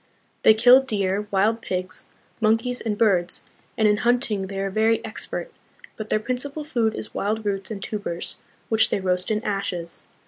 They kill deer, wild pigs, monkeys, and birds, and in hunting they are very expert; but their principal food is wild roots and tubers, which they roast in ashes.